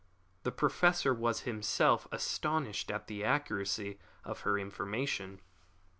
The Professor was himself astonished at the accuracy of her information.